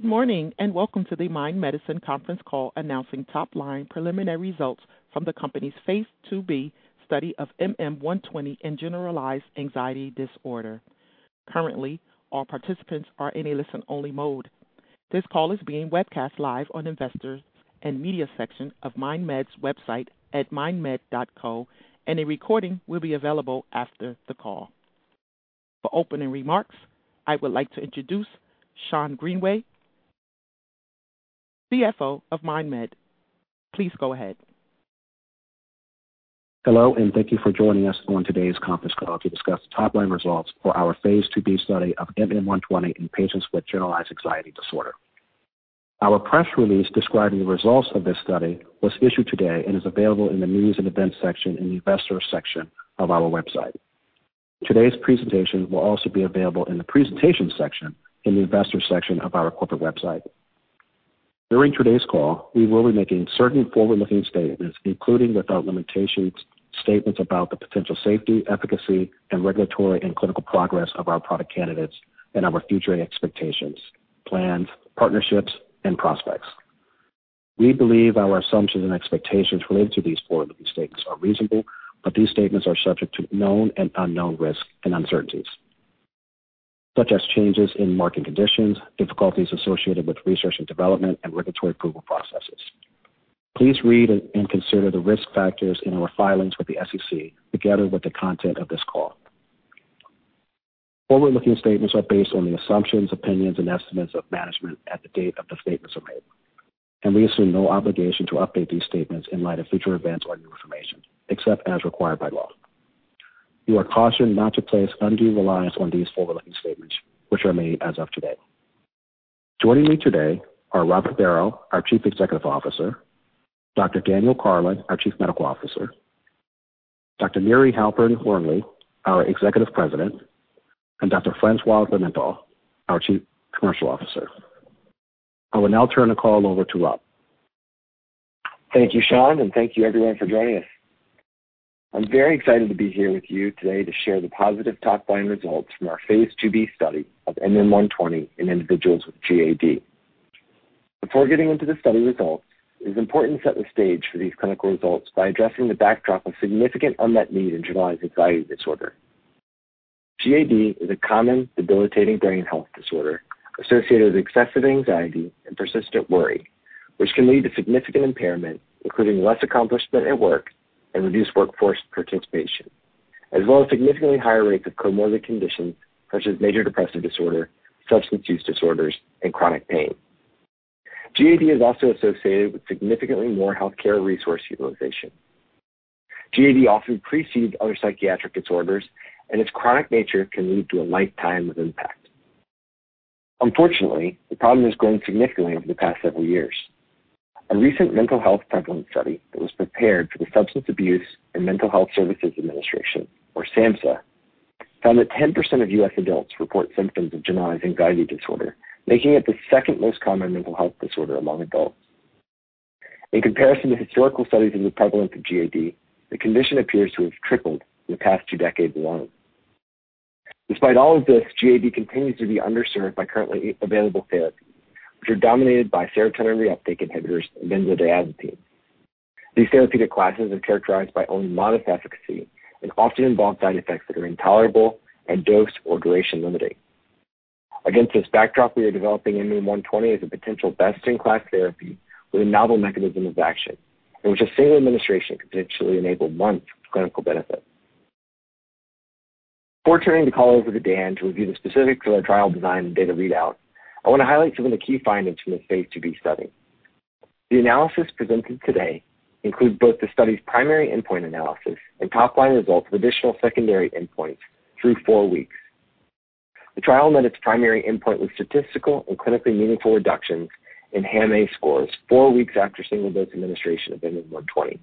Good morning, and welcome to the MindMed conference call announcing top-line preliminary results from the company's phase IIb study of MM-120 in generalized anxiety disorder. Currently, all participants are in a listen-only mode. This call is being webcast live on Investors and Media section of MindMed's website at mindmed.co, and a recording will be available after the call. For opening remarks, I would like to introduce Schond Greenway, CFO of MindMed. Please go ahead. Hello, and thank you for joining us on today's conference call to discuss the top-line results for our phase IIb study of MM120 in patients with generalized anxiety disorder. Our press release describing the results of this study was issued today and is available in the News and Events section in the Investors section of our website. Today's presentation will also be available in the Presentation section in the Investor section of our corporate website. During today's call, we will be making certain forward-looking statements, including, without limitations, statements about the potential safety, efficacy, and regulatory and clinical progress of our product candidates and our future expectations, plans, partnerships, and prospects. We believe our assumptions and expectations related to these forward-looking statements are reasonable, but these statements are subject to known and unknown risks and uncertainties, such as changes in market conditions, difficulties associated with research and development, and regulatory approval processes. Please read and consider the risk factors in our filings with the SEC, together with the content of this call. Forward-looking statements are based on the assumptions, opinions, and estimates of management at the date that the statements are made, and we assume no obligation to update these statements in light of future events or new information, except as required by law. You are cautioned not to place undue reliance on these forward-looking statements, which are made as of today. Joining me today are Robert Barrow, our Chief Executive Officer; Dr. Daniel Karlin, our Chief Medical Officer; Dr. Miri Halperin Wernli, our Executive President; and Dr. François Lilienthal, our Chief Commercial Officer. I will now turn the call over to Rob. Thank you, Sean, and thank you, everyone, for joining us. I'm very excited to be here with you today to share the positive top-line results from our phase 2b study of MM120 in individuals with GAD. Before getting into the study results, it is important to set the stage for these clinical results by addressing the backdrop of significant unmet need in generalized anxiety disorder. GAD is a common debilitating brain health disorder associated with excessive anxiety and persistent worry, which can lead to significant impairment, including less accomplishment at work and reduced workforce participation, as well as significantly higher rates of comorbid conditions such as major depressive disorder, substance use disorders, and chronic pain. GAD is also associated with significantly more healthcare resource utilization. GAD often precedes other psychiatric disorders, and its chronic nature can lead to a lifetime of impact. Unfortunately, the problem has grown significantly over the past several years. A recent mental health prevalence study that was prepared for the Substance Abuse and Mental Health Services Administration, or SAMHSA, found that 10% of U.S. adults report symptoms of generalized anxiety disorder, making it the second most common mental health disorder among adults. In comparison to historical studies of the prevalence of GAD, the condition appears to have tripled in the past two decades alone. Despite all of this, GAD continues to be underserved by currently available therapies, which are dominated by serotonin reuptake inhibitors and benzodiazepines. These therapeutic classes are characterized by only modest efficacy and often involve side effects that are intolerable and dose or duration limiting. Against this backdrop, we are developing MM120 as a potential best-in-class therapy with a novel mechanism of action, in which a single administration could potentially enable months of clinical benefit. Before turning the call over to Dan to review the specifics of our trial design and data readout, I want to highlight some of the key findings from the phase 2b study. The analysis presented today includes both the study's primary endpoint analysis and top-line results of additional secondary endpoints through four weeks. The trial met its primary endpoint with statistical and clinically meaningful reductions in HAM-A scores four weeks after single-dose administration of MM120.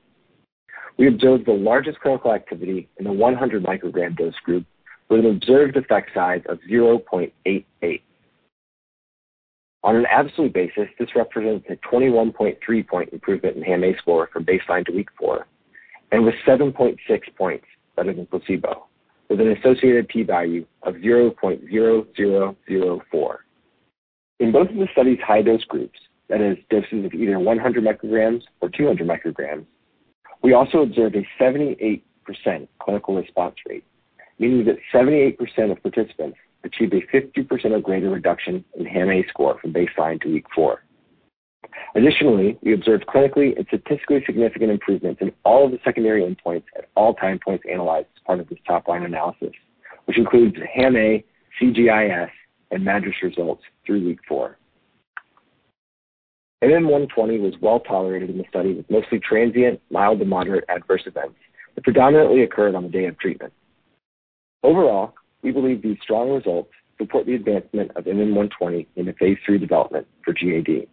We observed the largest clinical activity in the 100 microgram dose group, with an observed effect size of 0.88. On an absolute basis, this represents a 21.3-point improvement in HAM-A score from baseline to week four and with 7.6 points better than placebo, with an associated P value of 0.0004. In both of the study's high dose groups, that is, doses of either 100 micrograms or 200 micrograms, we also observed a 78% clinical response rate, meaning that 78% of participants achieved a 50% or greater reduction in HAM-A score from baseline to week four. Additionally, we observed clinically and statistically significant improvements in all of the secondary endpoints at all time points analyzed as part of this top-line analysis, which includes HAM-A, CGI-S, and MADRS results through week four. MM120 was well tolerated in the study, with mostly transient, mild to moderate adverse events that predominantly occurred on the day of treatment. Overall, we believe these strong results support the advancement of MM120 into phase III development for GAD.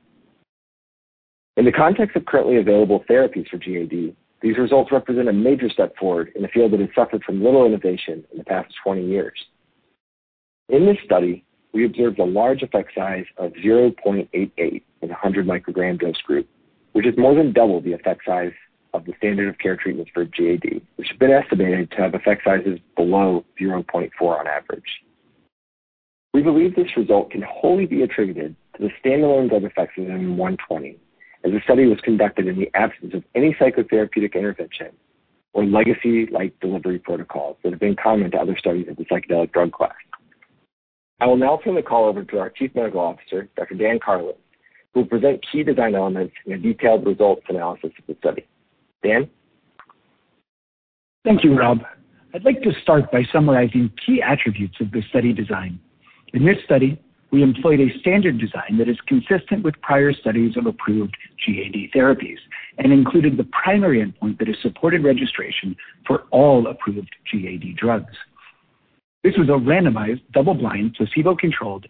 In the context of currently available therapies for GAD, these results represent a major step forward in a field that has suffered from little innovation in the past 20 years. In this study, we observed a large effect size of 0.88 in the 100-microgram dose group, which is more than double the effect size of the standard of care treatments for GAD, which have been estimated to have effect sizes below 0.4 on average. We believe this result can wholly be attributed to the standalone drug effects of MM120, as the study was conducted in the absence of any psychotherapeutic intervention or legacy-like delivery protocols that have been common to other studies of the psychedelic drug class. I will now turn the call over to our Chief Medical Officer, Dr. Daniel Karlin, who will present key design elements and a detailed results analysis of the study. Dan? Thank you, Rob. I'd like to start by summarizing key attributes of this study design. In this study, we employed a standard design that is consistent with prior studies of approved GAD therapies and included the primary endpoint that has supported registration for all approved GAD drugs. This was a randomized, double-blind, placebo-controlled,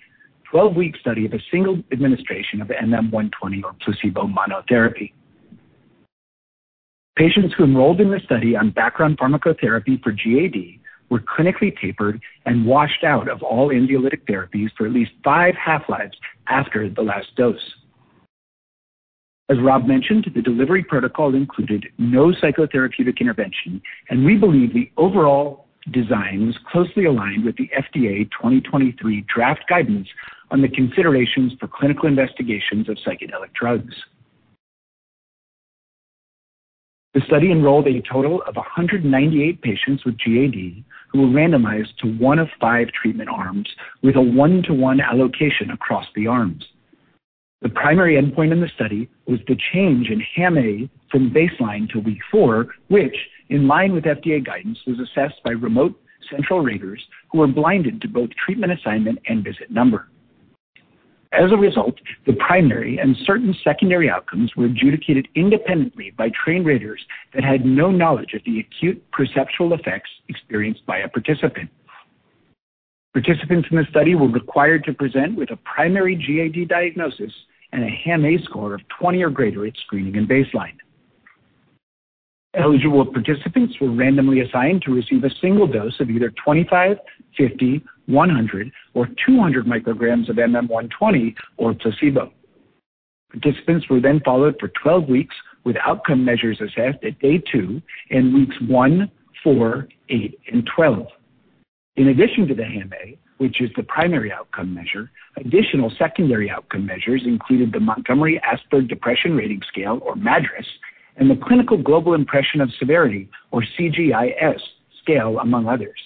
12-week study of a single administration of MM120 or placebo monotherapy. Patients who enrolled in this study on background pharmacotherapy for GAD were clinically tapered and washed out of all anxiolytic therapies for at least 5 half-lives after the last dose. As Rob mentioned, the delivery protocol included no psychotherapeutic intervention, and we believe the overall design was closely aligned with the FDA 2023 draft guidance on the considerations for clinical investigations of psychedelic drugs. The study enrolled a total of 198 patients with GAD, who were randomized to one of five treatment arms with a one-to-one allocation across the arms. The primary endpoint in the study was the change in HAM-A from baseline to week 4, which, in line with FDA guidance, was assessed by remote central raters who were blinded to both treatment assignment and visit number. As a result, the primary and certain secondary outcomes were adjudicated independently by trained raters that had no knowledge of the acute perceptual effects experienced by a participant. Participants in the study were required to present with a primary GAD diagnosis and a HAM-A score of 20 or greater at screening and baseline. Eligible participants were randomly assigned to receive a single dose of either 25, 50, 100, or 200 micrograms of MM120 or placebo. Participants were then followed for 12 weeks, with outcome measures assessed at day 2 in weeks 1, 4, 8, and 12. In addition to the HAM-A, which is the primary outcome measure, additional secondary outcome measures included the Montgomery-Åsberg Depression Rating Scale, or MADRS, and the Clinical Global Impression of Severity, or CGI-S scale, among others.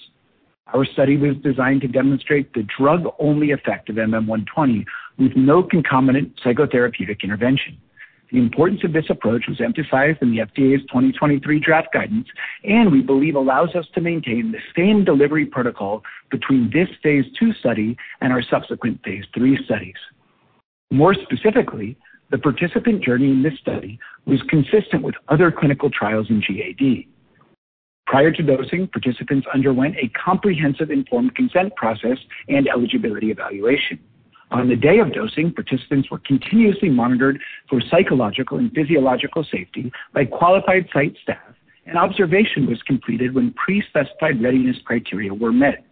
Our study was designed to demonstrate the drug-only effect of MM120, with no concomitant psychotherapeutic intervention. The importance of this approach was emphasized in the FDA's 2023 draft guidance, and we believe allows us to maintain the same delivery protocol between this phase 2 study and our subsequent phase 3 studies. More specifically, the participant journey in this study was consistent with other clinical trials in GAD. Prior to dosing, participants underwent a comprehensive informed consent process and eligibility evaluation. On the day of dosing, participants were continuously monitored for psychological and physiological safety by qualified site staff, and observation was completed when pre-specified readiness criteria were met.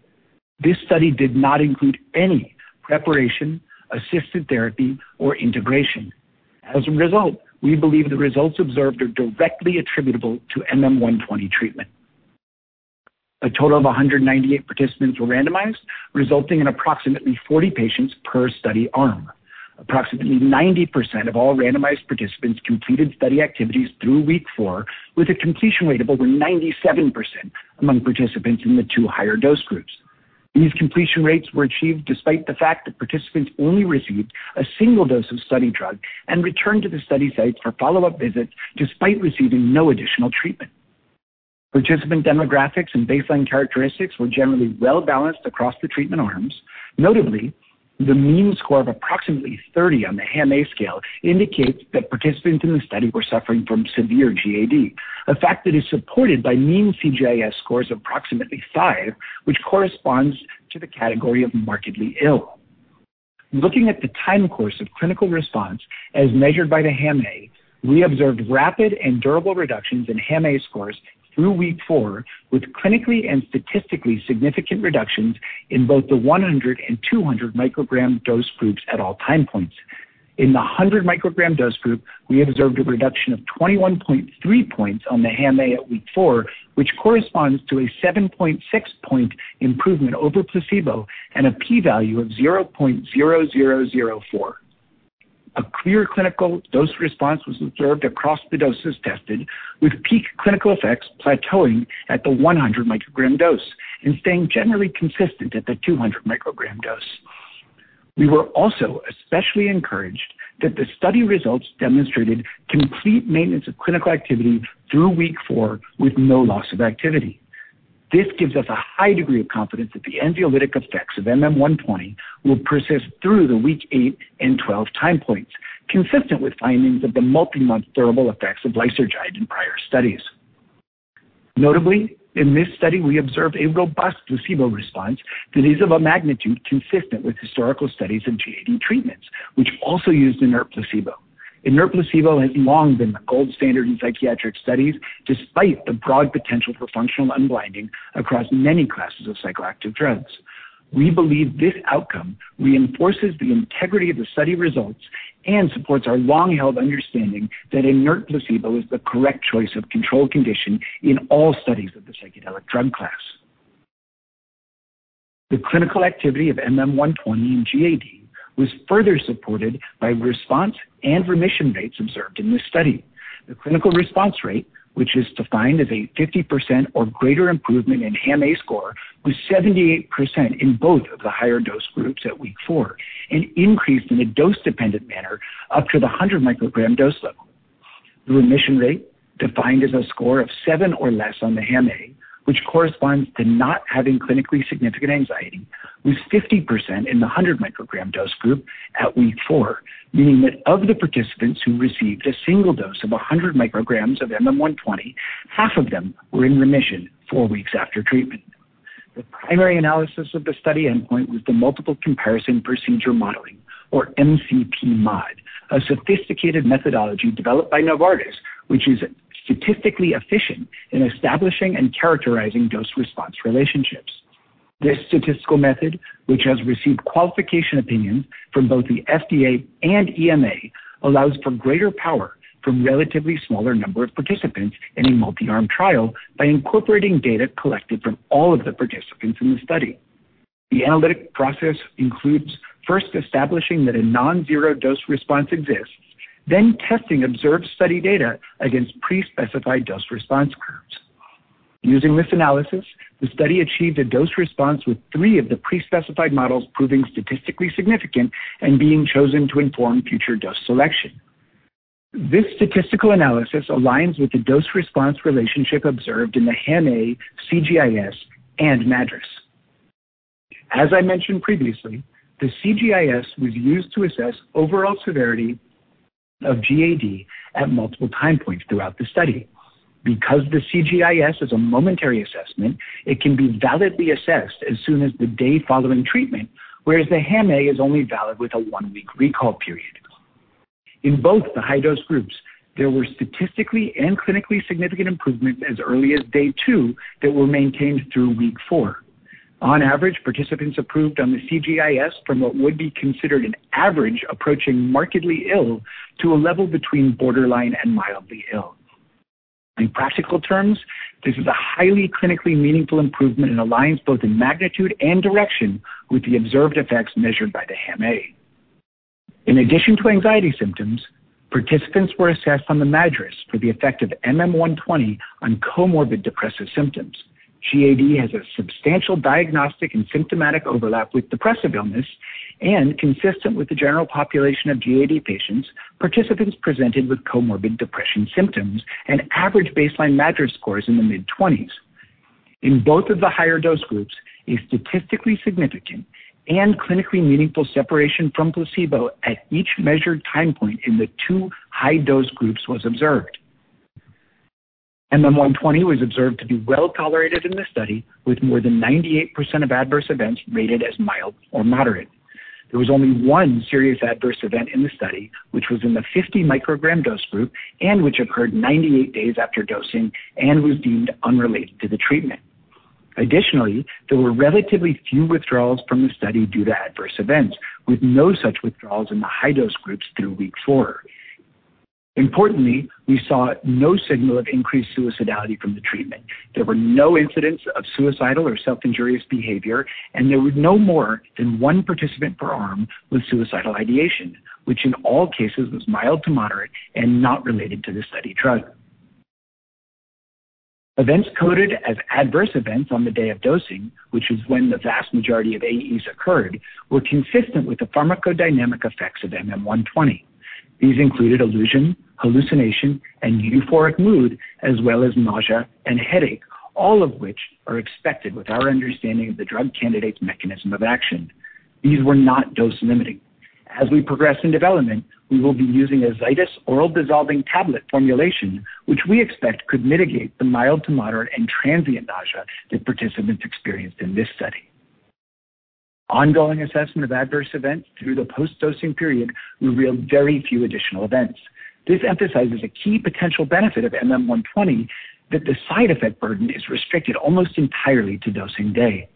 This study did not include any preparation, assisted therapy, or integration. As a result, we believe the results observed are directly attributable to MM120 treatment. A total of 198 participants were randomized, resulting in approximately 40 patients per study arm. Approximately 90% of all randomized participants completed study activities through week four, with a completion rate of over 97% among participants in the two higher dose groups. These completion rates were achieved despite the fact that participants only received a single dose of study drug and returned to the study site for follow-up visits, despite receiving no additional treatment. Participant demographics and baseline characteristics were generally well-balanced across the treatment arms. Notably, the mean score of approximately 30 on the HAM-A scale indicates that participants in the study were suffering from severe GAD, a fact that is supported by mean CGI-S scores of approximately 5, which corresponds to the category of markedly ill. Looking at the time course of clinical response as measured by the HAM-A, we observed rapid and durable reductions in HAM-A scores through week 4, with clinically and statistically significant reductions in both the 100 and 200 microgram dose groups at all time points. In the 100 microgram dose group, we observed a reduction of 21.3 points on the HAM-A at week 4, which corresponds to a 7.6-point improvement over placebo and a P value of 0.0004. A clear clinical dose response was observed across the doses tested, with peak clinical effects plateauing at the 100 microgram dose and staying generally consistent at the 200 microgram dose. We were also especially encouraged that the study results demonstrated complete maintenance of clinical activity through week 4 with no loss of activity. This gives us a high degree of confidence that the anxiolytic effects of MM120 will persist through the week 8 and 12 time points, consistent with findings of the multi-month durable effects of lysergide in prior studies. Notably, in this study, we observed a robust placebo response that is of a magnitude consistent with historical studies of GAD treatments, which also used inert placebo. Inert placebo has long been the gold standard in psychiatric studies, despite the broad potential for functional unblinding across many classes of psychoactive drugs.... We believe this outcome reinforces the integrity of the study results and supports our long-held understanding that inert placebo is the correct choice of control condition in all studies of the psychedelic drug class. The clinical activity of MM120 in GAD was further supported by response and remission rates observed in this study. The clinical response rate, which is defined as a 50% or greater improvement in HAM-A score, was 78% in both of the higher dose groups at week 4 and increased in a dose-dependent manner up to the 100 microgram dose level. The remission rate, defined as a score of 7 or less on the HAM-A, which corresponds to not having clinically significant anxiety, was 50% in the 100 microgram dose group at week 4, meaning that of the participants who received a single dose of 100 micrograms of MM120, half of them were in remission 4 weeks after treatment. The primary analysis of the study endpoint was the multiple comparison procedure modeling, or MCPMod, a sophisticated methodology developed by Novartis, which is statistically efficient in establishing and characterizing dose-response relationships. This statistical method, which has received qualification opinion from both the FDA and EMA, allows for greater power from relatively smaller number of participants in a multi-arm trial by incorporating data collected from all of the participants in the study. The analytic process includes first establishing that a non-zero dose response exists, then testing observed study data against pre-specified dose response curves. Using this analysis, the study achieved a dose response with three of the pre-specified models proving statistically significant and being chosen to inform future dose selection. This statistical analysis aligns with the dose response relationship observed in the HAM-A, CGI-S, and MADRS. As I mentioned previously, the CGI-S was used to assess overall severity of GAD at multiple time points throughout the study. Because the CGI-S is a momentary assessment, it can be validly assessed as soon as the day following treatment, whereas the HAM-A is only valid with a one-week recall period. In both the high-dose groups, there were statistically and clinically significant improvements as early as day two that were maintained through week four. On average, participants improved on the CGI-S from what would be considered an average approaching markedly ill to a level between borderline and mildly ill. In practical terms, this is a highly clinically meaningful improvement and aligns both in magnitude and direction with the observed effects measured by the HAM-A. In addition to anxiety symptoms, participants were assessed on the MADRS for the effect of MM120 on comorbid depressive symptoms. GAD has a substantial diagnostic and symptomatic overlap with depressive illness, and consistent with the general population of GAD patients, participants presented with comorbid depression symptoms and average baseline MADRS scores in the mid-twenties. In both of the higher dose groups, a statistically significant and clinically meaningful separation from placebo at each measured time point in the two high dose groups was observed. MM120 was observed to be well tolerated in the study, with more than 98% of adverse events rated as mild or moderate. There was only 1 serious adverse event in the study, which was in the 50 microgram dose group and which occurred 98 days after dosing and was deemed unrelated to the treatment. Additionally, there were relatively few withdrawals from the study due to adverse events, with no such withdrawals in the high dose groups through week 4. Importantly, we saw no signal of increased suicidality from the treatment. There were no incidents of suicidal or self-injurious behavior, and there was no more than 1 participant per arm with suicidal ideation, which in all cases was mild to moderate and not related to the study drug. Events coded as adverse events on the day of dosing, which is when the vast majority of AEs occurred, were consistent with the pharmacodynamic effects of MM120. These included illusion, hallucination, and euphoric mood, as well as nausea and headache, all of which are expected with our understanding of the drug candidate's mechanism of action. These were not dose-limiting. As we progress in development, we will be using a Zydis oral dissolving tablet formulation, which we expect could mitigate the mild to moderate and transient nausea that participants experienced in this study. Ongoing assessment of adverse events through the post-dosing period revealed very few additional events. This emphasizes a key potential benefit of MM120, that the side effect burden is restricted almost entirely to dosing day.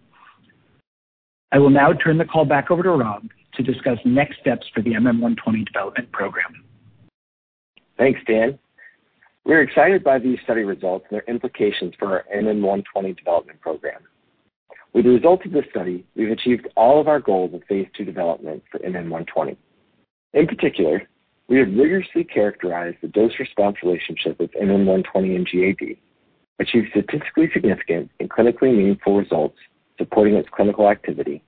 I will now turn the call back over to Rob to discuss next steps for the MM120 development program. Thanks, Dan. We're excited by these study results and their implications for our MM120 development program. With the results of this study, we've achieved all of our goals of phase 2 development for MM120. In particular, we have rigorously characterized the dose-response relationship with MM120 and GAD, achieved statistically significant and clinically meaningful results supporting its clinical activity,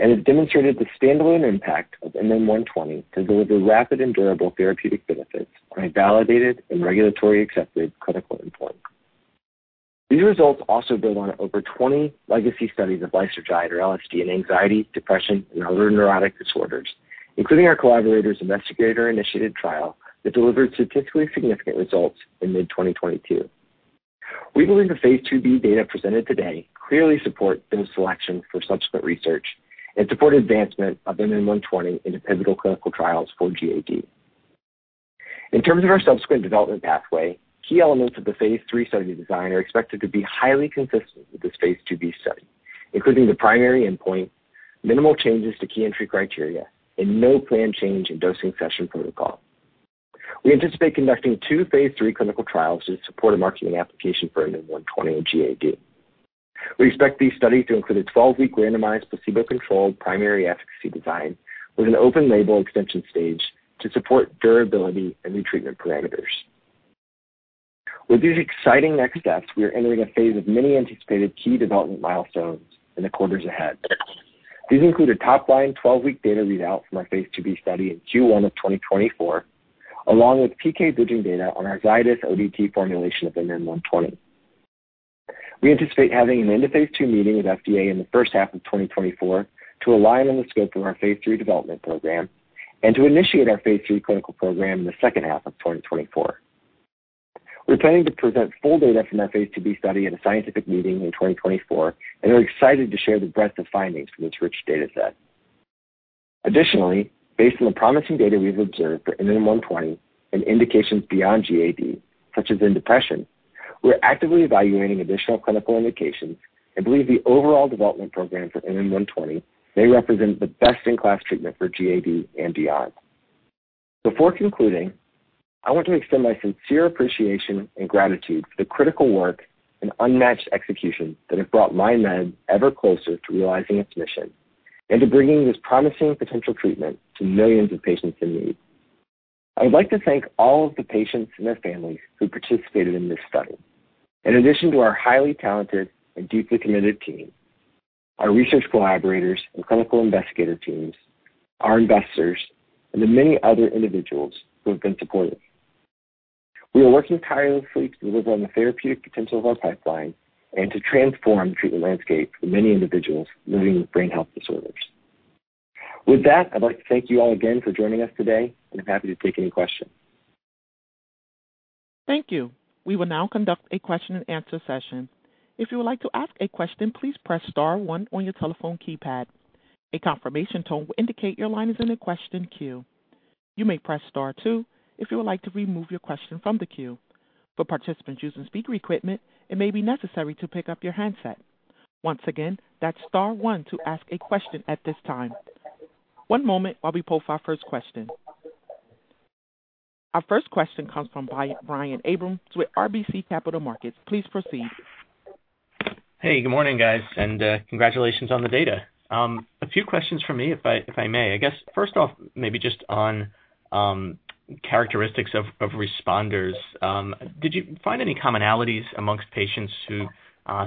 and have demonstrated the standalone impact of MM120 to deliver rapid and durable therapeutic benefits by a validated and regulatory accepted clinical endpoint. These results also build on over 20 legacy studies of lysergide or LSD in anxiety, depression, and other neurotic disorders, including our collaborator's investigator-initiated trial that delivered statistically significant results in mid-2022. We believe the phase 2b data presented today clearly support dose selection for subsequent research and support advancement of MM120 into pivotal clinical trials for GAD.... In terms of our subsequent development pathway, key elements of the Phase 3 study design are expected to be highly consistent with this Phase 2b study, including the primary endpoint, minimal changes to key entry criteria, and no planned change in dosing session protocol. We anticipate conducting two Phase 3 clinical trials to support a marketing application for MM120 in GAD. We expect these studies to include a 12-week randomized, placebo-controlled primary efficacy design with an open label extension stage to support durability and retreatment parameters. With these exciting next steps, we are entering a phase of many anticipated key development milestones in the quarters ahead. These include a top-line 12-week data readout from our Phase 2b study in Q1 of 2024, along with PK bridging data on our Zydis ODT formulation of MM120. We anticipate having an end of phase 2 meeting with FDA in the first half of 2024 to align on the scope of our phase 3 development program and to initiate our phase 3 clinical program in the second half of 2024. We're planning to present full data from our phase 2b study at a scientific meeting in 2024, and are excited to share the breadth of findings from this rich data set. Additionally, based on the promising data we've observed for MM120 in indications beyond GAD, such as in depression, we're actively evaluating additional clinical indications and believe the overall development program for MM120 may represent the best-in-class treatment for GAD and MDD. Before concluding, I want to extend my sincere appreciation and gratitude for the critical work and unmatched execution that have brought MindMed ever closer to realizing its mission and to bringing this promising potential treatment to millions of patients in need. I would like to thank all of the patients and their families who participated in this study. In addition to our highly talented and deeply committed team, our research collaborators and clinical investigator teams, our investors, and the many other individuals who have been supportive. We are working tirelessly to deliver on the therapeutic potential of our pipeline and to transform the treatment landscape for many individuals living with brain health disorders. With that, I'd like to thank you all again for joining us today, and I'm happy to take any questions. Thank you. We will now conduct a question-and-answer session. If you would like to ask a question, please press star one on your telephone keypad. A confirmation tone will indicate your line is in the question queue. You may press star two if you would like to remove your question from the queue. For participants using speaker equipment, it may be necessary to pick up your handset. Once again, that's star one to ask a question at this time. One moment while we pull for our first question. Our first question comes from Brian Abrahams with RBC Capital Markets. Please proceed. Hey, good morning, guys, and congratulations on the data. A few questions from me, if I may. I guess first off, maybe just on characteristics of responders. Did you find any commonalities amongst patients who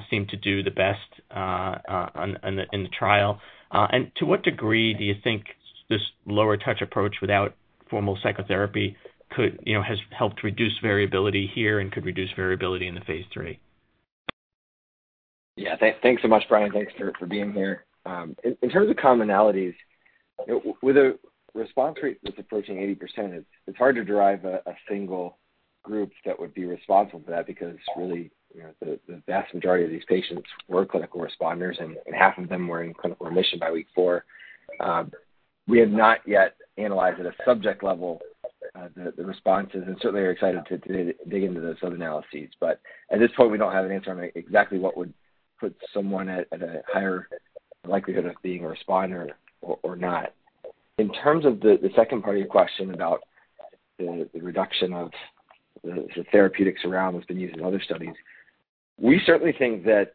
seemed to do the best in the trial? And to what degree do you think this lower touch approach without formal psychotherapy could, you know, has helped reduce variability here and could reduce variability in the phase 3? Yeah. Thanks, thanks so much, Brian. Thanks for being here. In terms of commonalities, with a response rate that's approaching 80%, it's hard to derive a single group that would be responsible for that because really, you know, the vast majority of these patients were clinical responders, and half of them were in clinical remission by week 4. We have not yet analyzed at a subject level the responses, and certainly are excited to dig into those analyses. But at this point, we don't have an answer on exactly what would put someone at a higher likelihood of being a responder or not. In terms of the second part of your question about the reduction of the therapeutics around what's been used in other studies, we certainly think that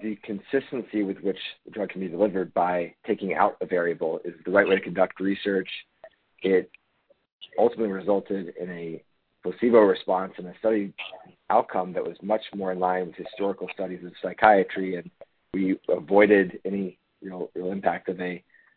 the consistency with which the drug can be delivered by taking out a variable is the right way to conduct research. It ultimately resulted in a placebo response and a study outcome that was much more in line with historical studies of psychiatry, and we avoided any, you know, real impact of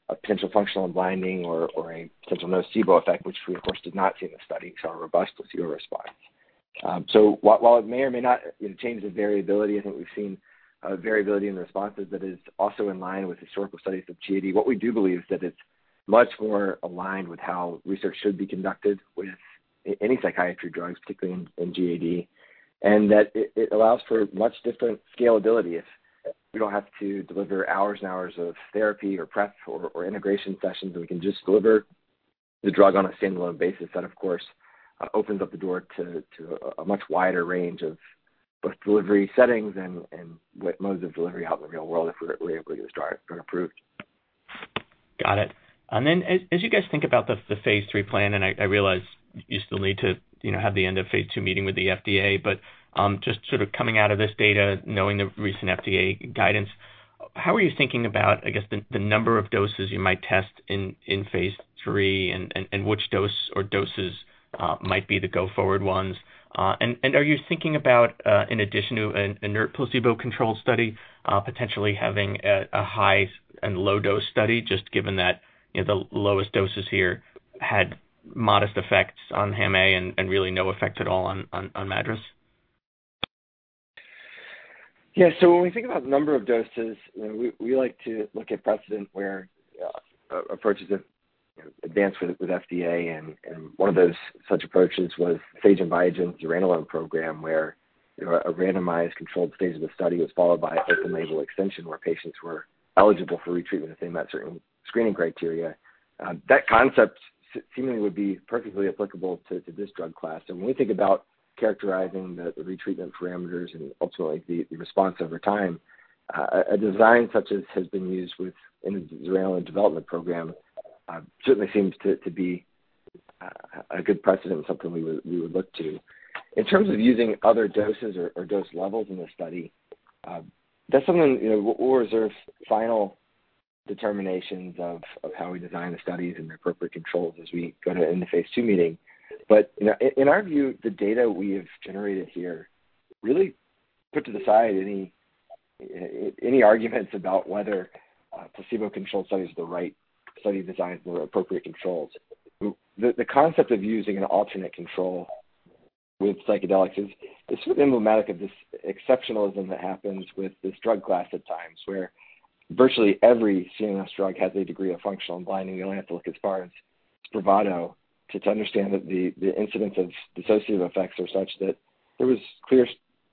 a potential functional unblinding or a potential nocebo effect, which we, of course, did not see in the study because of our robust placebo response. So while it may or may not change the variability, I think we've seen a variability in the responses that is also in line with historical studies of GAD. What we do believe is that it's much more aligned with how research should be conducted with any psychiatry drugs, particularly in GAD, and that it allows for much different scalability. If we don't have to deliver hours and hours of therapy or prep or integration sessions, and we can just deliver the drug on a standalone basis, that, of course, opens up the door to a much wider range of both delivery settings and what modes of delivery out in the real world if we're able to get started or approved. Got it. And then as you guys think about the phase 3 plan, and I realize you still need to, you know, have the end of phase 2 meeting with the FDA, but just sort of coming out of this data, knowing the recent FDA guidance, how are you thinking about, I guess, the number of doses you might test in phase 3, and which dose or doses might be the go-forward ones? And are you thinking about, in addition to an inert placebo-controlled study, potentially having a high and low dose study, just given that, you know, the lowest doses here had modest effects on HAM-A and really no effect at all on MADRS? Yeah. So when we think about the number of doses, you know, we like to look at precedent where approaches have, you know, advanced with FDA, and one of those such approaches was Sage and Biogen's zuranolone program, where a randomized controlled phase of the study was followed by an open-label extension where patients were eligible for retreatment if they met certain screening criteria. That concept seemingly would be perfectly applicable to this drug class. And when we think about characterizing the retreatment parameters and ultimately the response over time, a design such as has been used within the development program certainly seems to be a good precedent and something we would look to. In terms of using other doses or dose levels in the study, that's something, you know, we'll reserve final determinations of how we design the studies and the appropriate controls as we go to in the phase 2 meeting. But in our view, the data we have generated here really put to the side any arguments about whether a placebo-controlled study is the right study design or appropriate controls. The concept of using an alternate control with psychedelics is sort of emblematic of this exceptionalism that happens with this drug class at times, where virtually every CNS drug has a degree of functional unblinding. You only have to look as far as Spravato to understand that the incidence of dissociative effects are such that there was clear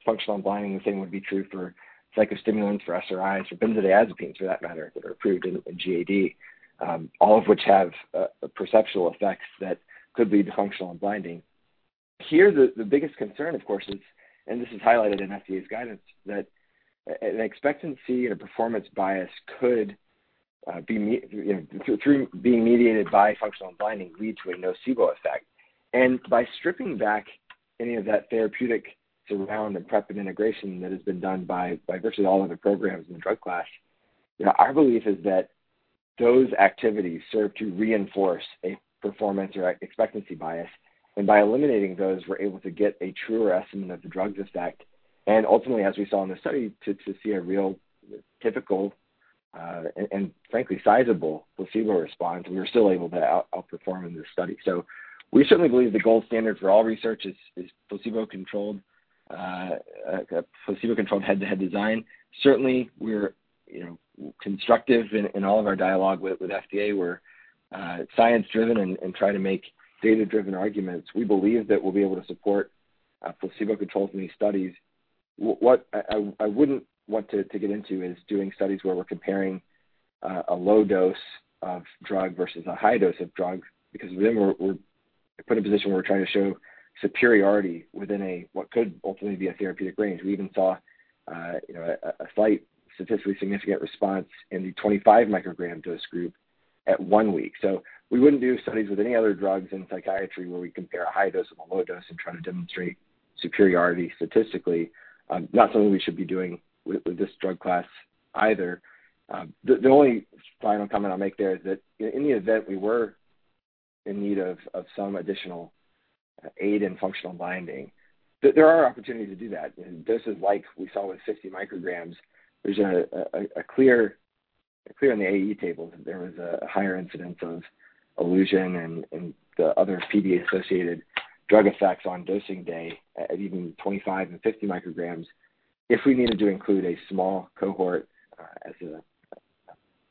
functional unblinding. The same would be true for psychostimulants, for SRIs, for benzodiazepines, for that matter, that are approved in GAD, all of which have perceptual effects that could lead to functional unblinding. Here, the biggest concern, of course, is, and this is highlighted in FDA's guidance, that an expectancy and a performance bias could be mediated through, through being mediated by functional unblinding, lead to a nocebo effect. And by stripping back any of that therapeutic surround and prep and integration that has been done by virtually all other programs in the drug class, you know, our belief is that those activities serve to reinforce a performance or expectancy bias. By eliminating those, we're able to get a truer estimate of the drug's effect, and ultimately, as we saw in the study, to see a real typical, and frankly, sizable placebo response, and we were still able to outperform in this study. So we certainly believe the gold standard for all research is placebo-controlled head-to-head design. Certainly we're, you know, constructive in all of our dialogue with FDA. We're science driven and try to make data-driven arguments. We believe that we'll be able to support placebo controls in these studies. What I wouldn't want to get into is doing studies where we're comparing a low dose of drug versus a high dose of drug, because then we're put in a position where we're trying to show superiority within what could ultimately be a therapeutic range. We even saw, you know, a slight statistically significant response in the 25 microgram dose group at one week. So we wouldn't do studies with any other drugs in psychiatry, where we compare a high dose with a low dose and try to demonstrate superiority statistically. Not something we should be doing with this drug class either. The only final comment I'll make there is that in the event we were in need of some additional aid in functional unblinding, there are opportunities to do that. Doses like we saw with 50 micrograms, there's a clear in the AE table that there was a higher incidence of illusion and the other PD-associated drug effects on dosing day at even 25 and 50 micrograms. If we needed to include a small cohort, as a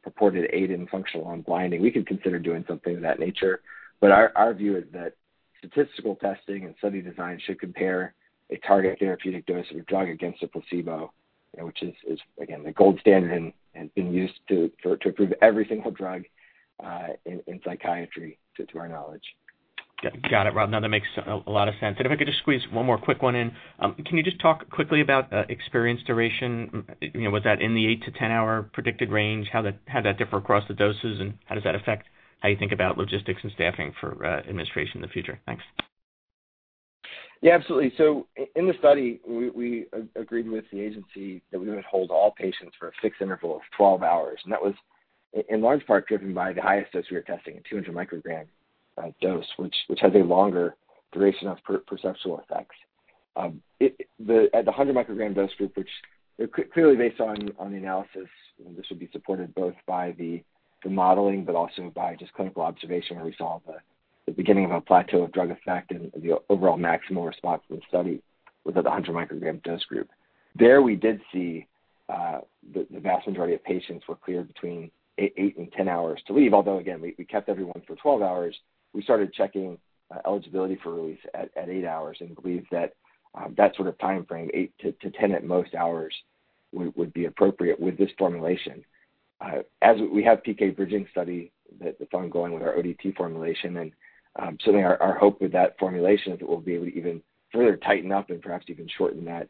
purported aid in functional unblinding, we could consider doing something of that nature. But our view is that statistical testing and study design should compare a target therapeutic dose of a drug against a placebo, which is, again, the gold standard and been used to approve every single drug in psychiatry, to our knowledge. Got it, Rob. Now that makes a lot of sense. And if I could just squeeze one more quick one in. Can you just talk quickly about experience duration? You know, was that in the 8-10 hour predicted range? How that, how did that differ across the doses, and how does that affect how you think about logistics and staffing for administration in the future? Thanks. Yeah, absolutely. So in the study, we agreed with the agency that we would hold all patients for a fixed interval of 12 hours, and that was in large part driven by the highest dose we were testing, a 200-microgram dose, which has a longer duration of perceptual effects. At the 100-microgram dose group, which clearly based on the analysis, this would be supported both by the modeling but also by just clinical observation, where we saw the beginning of a plateau of drug effect and the overall maximal response to the study with the 100-microgram dose group. There, we did see the vast majority of patients were cleared between 8 and 10 hours to leave. Although, again, we kept everyone for 12 hours. We started checking eligibility for release at 8 hours and believe that that sort of timeframe, 8-10 hours at most, would be appropriate with this formulation. As we have a PK bridging study that is ongoing with our ODT formulation and certainly our hope with that formulation is that we'll be able to even further tighten up and perhaps even shorten that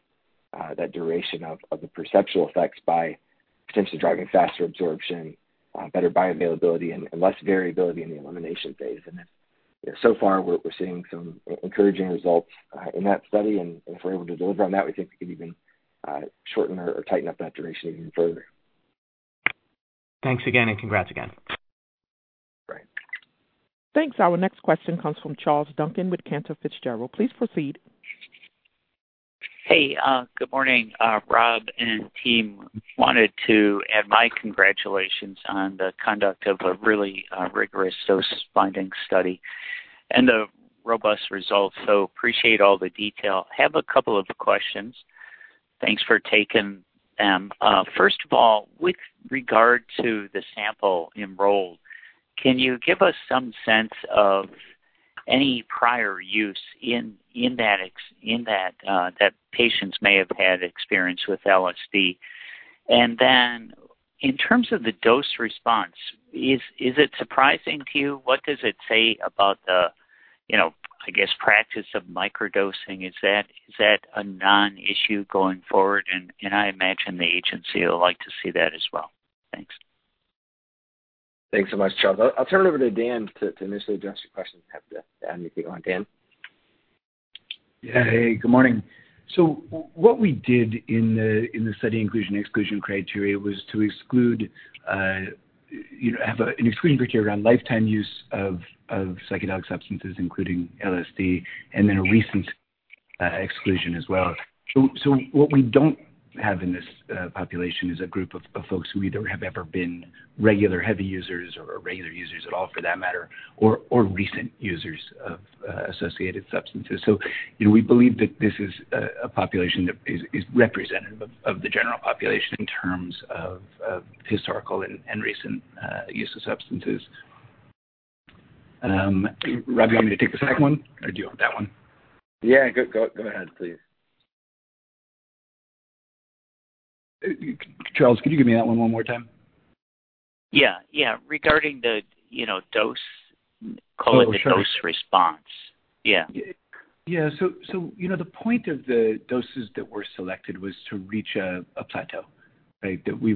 duration of the perceptual effects by potentially driving faster absorption, better bioavailability and less variability in the elimination phase. And so far, we're seeing some encouraging results in that study, and if we're able to deliver on that, we think we could even shorten or tighten up that duration even further. Thanks again, and congrats again. Great. Thanks. Our next question comes from Charles Duncan with Cantor Fitzgerald. Please proceed. Hey, good morning, Rob and team. Wanted to add my congratulations on the conduct of a really rigorous dose binding study and the robust results. So appreciate all the detail. Have a couple of questions. Thanks for taking them. First of all, with regard to the sample enrolled, can you give us some sense of any prior use in that patients may have had experience with LSD? And then in terms of the dose response, is it surprising to you? What does it say about the, you know, I guess, practice of microdosing? Is that a non-issue going forward? And I imagine the agency will like to see that as well. Thanks. Thanks so much, Charles. I'll turn it over to Dan to initially address your question, if you have to add anything on. Dan? Hey, good morning. So what we did in the study inclusion/exclusion criteria was to exclude, you know, have an exclusion criteria around lifetime use of psychedelic substances, including LSD, and then a recent exclusion as well. So what we don't have in this population is a group of folks who either have ever been regular heavy users or regular users at all, for that matter, or recent users of associated substances. So, you know, we believe that this is a population that is representative of the general population in terms of historical and recent use of substances. Rob, you want me to take the second one, or do you want that one? Yeah, go, go, go ahead, please. Charles, can you give me that one one more time? Yeah, yeah. Regarding the, you know, dose, call it the dose response. Yeah. Yeah. So, you know, the point of the doses that were selected was to reach a plateau, right? We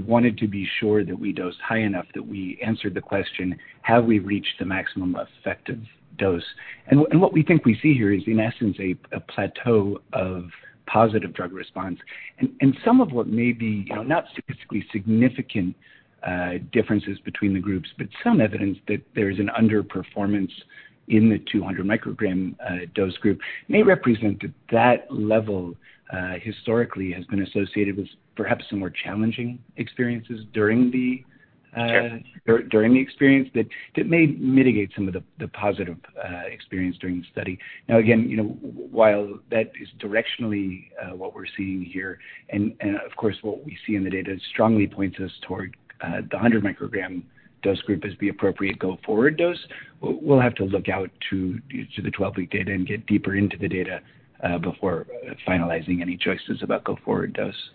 wanted to be sure that we dosed high enough, that we answered the question, have we reached the maximum effective dose? And what we think we see here is, in essence, a plateau of positive drug response. And some of what may be, you know, not statistically significant differences between the groups, but some evidence that there is an underperformance in the 200 microgram dose group, may represent that level historically has been associated with perhaps some more challenging experiences during the, ... during the experience, that may mitigate some of the positive experience during the study. Now, again, you know, while that is directionally what we're seeing here, and of course, what we see in the data strongly points us toward the 100 microgram dose group as the appropriate go-forward dose. We'll have to look out to the 12-week data and get deeper into the data before finalizing any choices about go-forward dose.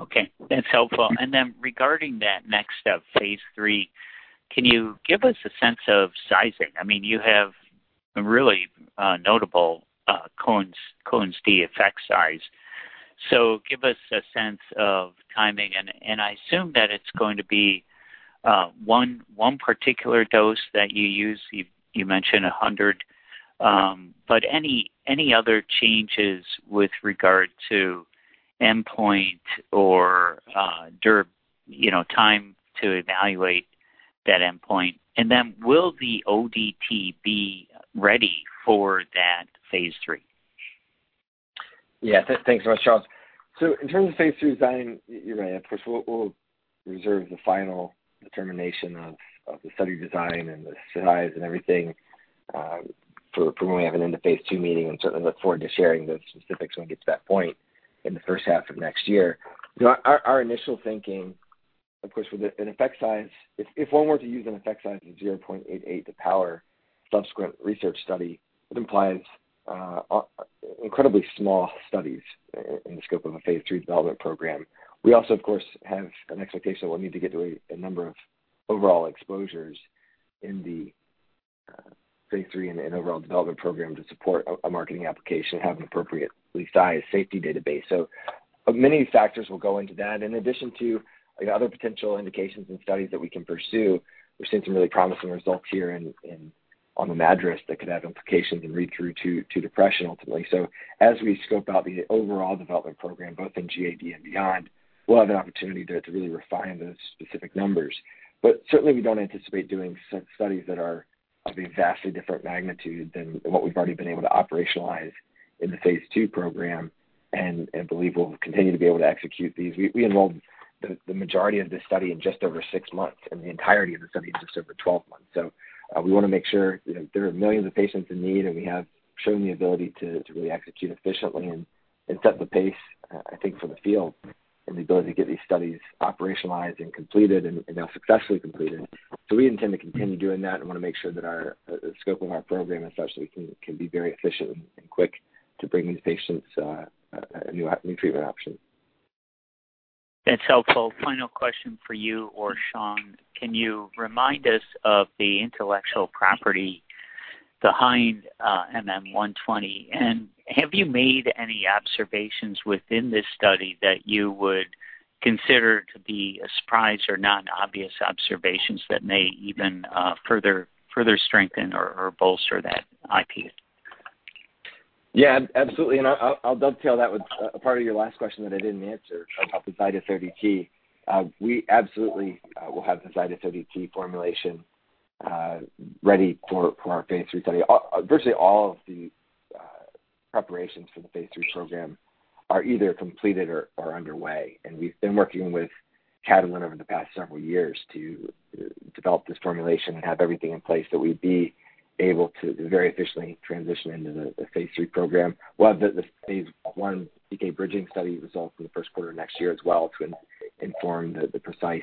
Okay, that's helpful. And then regarding that next step, phase 3, can you give us a sense of sizing? I mean, you have a really notable Cohen's d effect size. So give us a sense of timing, and I assume that it's going to be one particular dose that you use. You mentioned 100, but any other changes with regard to endpoint or, you know, time to evaluate that endpoint? And then will the ODT be ready for that phase 3? Yeah. Thanks so much, Charles. So in terms of phase 3 design, you're right. Of course, we'll reserve the final determination of the study design and the size and everything for when we have an end-of-phase 2 meeting, and certainly look forward to sharing those specifics when we get to that point in the first half of next year. You know, our initial thinking, of course, with an effect size, if one were to use an effect size of 0.88 to power subsequent research study, it implies incredibly small studies in the scope of a phase 3 development program. We also, of course, have an expectation we'll need to get to a number of overall exposures in the phase 3 and overall development program to support a marketing application, have an appropriately sized safety database. So many factors will go into that, in addition to, like, other potential indications and studies that we can pursue. We've seen some really promising results here in anxiety that could have implications and read through to depression ultimately. So as we scope out the overall development program, both in GAD and beyond, we'll have an opportunity to really refine those specific numbers. But certainly, we don't anticipate doing studies that are of a vastly different magnitude than what we've already been able to operationalize in the phase 2 program and believe we'll continue to be able to execute these. We enrolled the majority of this study in just over six months, and the entirety of the study in just over 12 months. So, we want to make sure, you know, there are millions of patients in need, and we have shown the ability to really execute efficiently and set the pace, I think, for the field and the ability to get these studies operationalized and completed and now successfully completed. So we intend to continue doing that and want to make sure that our, the scope of our program and such can be very efficient and quick to bring these patients a new treatment option. That's helpful. Final question for you or Schond. Can you remind us of the intellectual property behind MM120, and have you made any observations within this study that you would consider to be a surprise or not obvious observations that may even further strengthen or bolster that IP? Yeah, absolutely, and I'll dovetail that with a part of your last question that I didn't answer about the Zydis ODT. We absolutely will have the Zydis ODT formulation ready for our phase 3 study. Virtually all of the preparations for the phase 3 program are either completed or underway, and we've been working with Catalent over the past several years to develop this formulation and have everything in place that we'd be able to very efficiently transition into the phase 3 program. We'll have the phase 1 PK bridging study results in the first quarter of next year as well, to inform the precise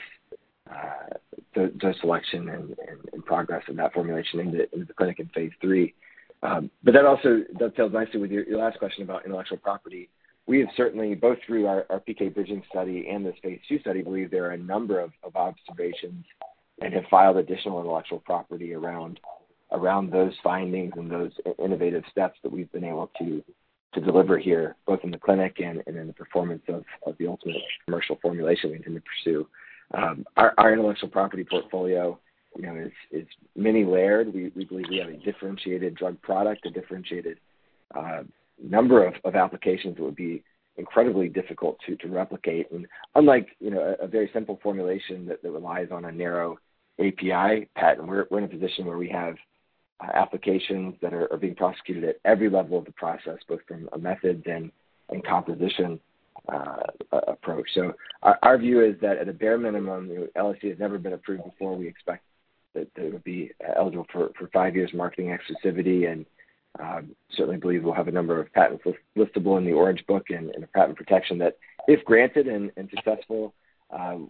dose selection and progress in that formulation into the clinic in phase 3. But that also dovetails nicely with your last question about intellectual property. We have certainly, both through our PK bridging study and the phase 2 study, believe there are a number of observations and have filed additional intellectual property around those findings and those innovative steps that we've been able to deliver here, both in the clinic and in the performance of the ultimate commercial formulation we intend to pursue. Our intellectual property portfolio, you know, is many layered. We believe we have a differentiated drug product, a differentiated number of applications that would be incredibly difficult to replicate. And unlike, you know, a very simple formulation that relies on a narrow API patent, we're in a position where we have applications that are being prosecuted at every level of the process, both from a method and composition approach. So our view is that at a bare minimum, LSD has never been approved before. We expect that it would be eligible for 5 years marketing exclusivity, and certainly believe we'll have a number of patents listable in the Orange Book and a patent protection that, if granted and successful,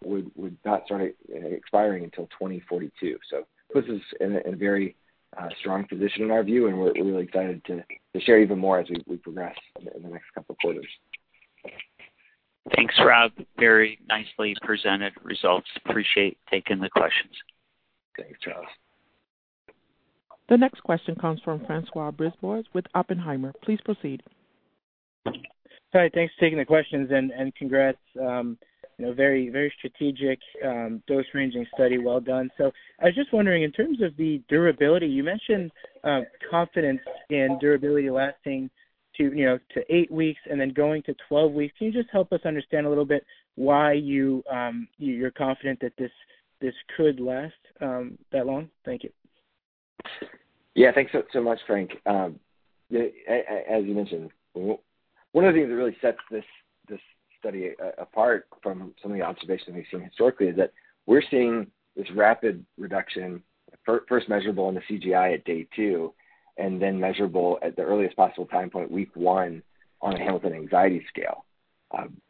would not start expiring until 2042. So puts us in a very strong position in our view, and we're really excited to share even more as we progress in the next couple of quarters. Thanks, Rob. Very nicely presented results. Appreciate taking the questions. Thanks, Charles. The next question comes from François Brisebois with Oppenheimer. Please proceed. Sorry, thanks for taking the questions, and congrats, you know, very, very strategic dose-ranging study. Well done. So I was just wondering, in terms of the durability, you mentioned confidence in durability lasting to, you know, to 8 weeks and then going to 12 weeks. Can you just help us understand a little bit why you, you're confident that this, this could last that long? Thank you. Yeah, thanks so much, Frank. As you mentioned, one of the things that really sets this study apart from some of the observations we've seen historically is that we're seeing this rapid reduction, first measurable in the CGI at day two, and then measurable at the earliest possible time point, week one, on a Hamilton Anxiety Scale.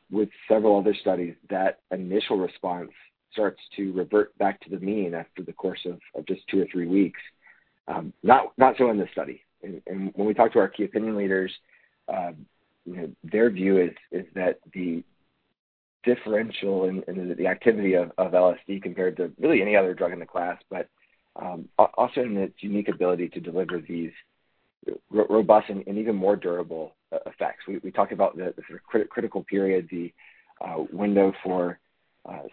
With several other studies, that initial response starts to revert back to the mean after the course of just two or three weeks. Not so in this study. And when we talk to our key opinion leaders, you know, their view is that the differential in the activity of LSD compared to really any other drug in the class, but also in its unique ability to deliver these robust and even more durable effects. We talked about the sort of critical period, the window for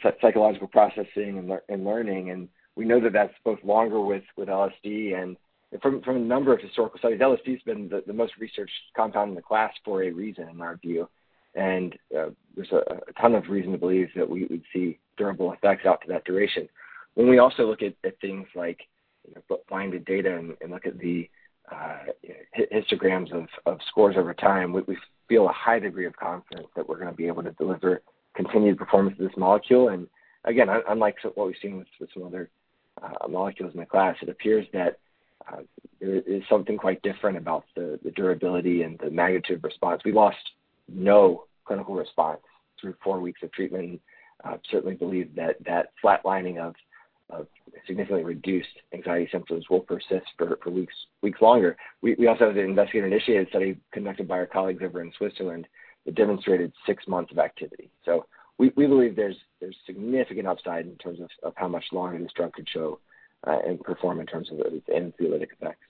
set psychological processing and learning, and we know that that's both longer with LSD and from a number of historical studies, LSD has been the most researched compound in the class for a reason, in our view. And there's a ton of reason to believe that we'd see durable effects out to that duration. When we also look at things like, you know, blinded data and look at the histograms of scores over time, we feel a high degree of confidence that we're going to be able to deliver continued performance of this molecule. And again, unlike what we've seen with some other molecules in the class, it appears that there is something quite different about the durability and the magnitude of response. We lost no clinical response through four weeks of treatment. Certainly believe that flatlining of significantly reduced anxiety symptoms will persist for weeks longer. We also have an investigator-initiated study conducted by our colleagues over in Switzerland that demonstrated six months of activity. So we believe there's significant upside in terms of how much longer this drug could show and perform in terms of anxiolytic effects.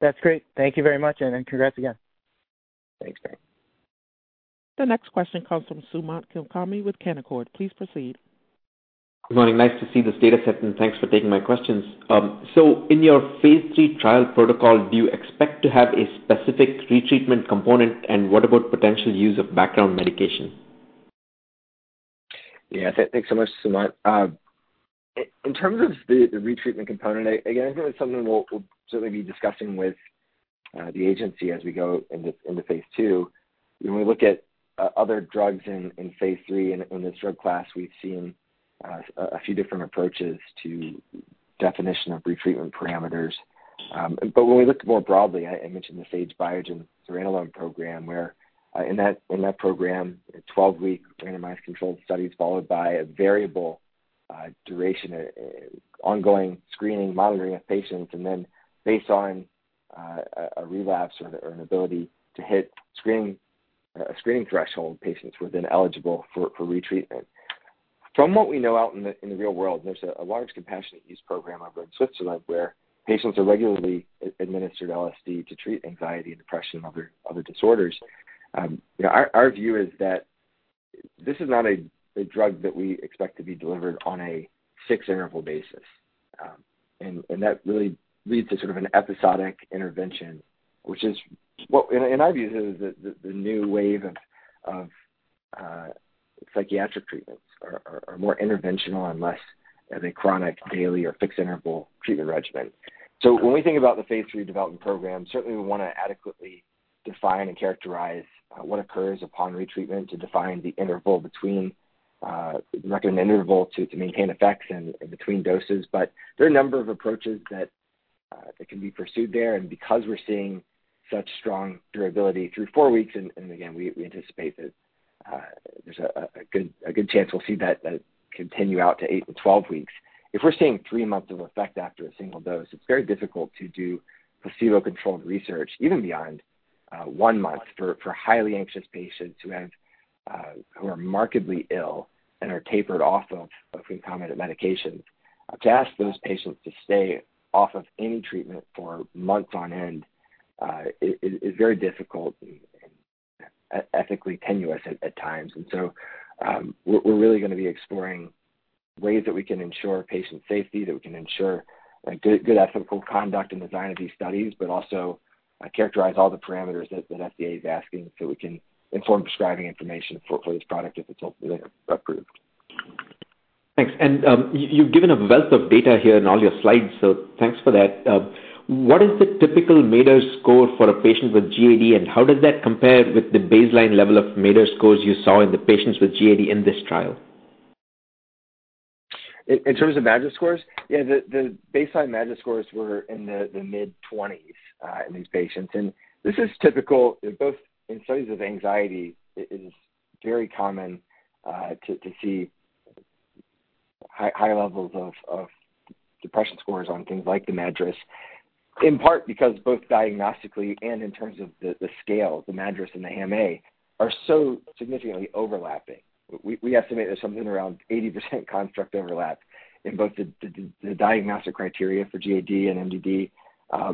That's great. Thank you very much, and congrats again. Thanks, Frank. The next question comes from Sumant Kulkarni with Canaccord. Please proceed. Good morning. Nice to see this data set, and thanks for taking my questions. So in your phase three trial protocol, do you expect to have a specific retreatment component, and what about potential use of background medication? Yeah, thanks so much, Sumant. In terms of the retreatment component, again, I think that's something we'll certainly be discussing with the agency as we go into phase two. When we look at other drugs in phase three, in this drug class, we've seen a few different approaches to definition of retreatment parameters. But when we look more broadly, I mentioned the Sage Biogen psilocybin program, where, in that program, a 12-week randomized controlled study followed by a variable duration ongoing screening, monitoring of patients, and then based on a relapse or the ability to hit screening a screening threshold, patients were then eligible for retreatment. From what we know out in the real world, there's a large compassionate use program over in Switzerland where patients are regularly administered LSD to treat anxiety, depression, and other disorders. You know, our view is that this is not a drug that we expect to be delivered on a 6-interval basis. And that really leads to sort of an episodic intervention, which is what. In our view, this is the new wave of psychiatric treatments are more interventional and less as a chronic daily or fixed interval treatment regimen. So when we think about the phase 3 development program, certainly we want to adequately define and characterize what occurs upon retreatment to define the interval between the recommended interval to maintain effects and between doses. But there are a number of approaches that can be pursued there, and because we're seeing such strong durability through 4 weeks, and again, we anticipate that there's a good chance we'll see that continue out to 8-12 weeks. If we're seeing 3 months of effect after a single dose, it's very difficult to do placebo-controlled research, even beyond 1 month for highly anxious patients who are markedly ill and are tapered off of concomitant medications. To ask those patients to stay off of any treatment for months on end is very difficult and ethically tenuous at times. We're really going to be exploring ways that we can ensure patient safety, that we can ensure a good ethical conduct and design of these studies, but also characterize all the parameters that FDA is asking so we can inform prescribing information for this product if it's ultimately approved. Thanks. You've given a wealth of data here in all your slides, so thanks for that. What is the typical MADRS score for a patient with GAD, and how does that compare with the baseline level of MADRS scores you saw in the patients with GAD in this trial? In terms of MADRS scores? Yeah, the baseline MADRS scores were in the mid-20s in these patients, and this is typical. In both studies of anxiety, it is very common to see high levels of depression scores on things like the MADRS, in part because both diagnostically and in terms of the scale, the MADRS and the HAM-A are so significantly overlapping. We estimate there's something around 80% construct overlap in both the diagnostic criteria for GAD and MDD,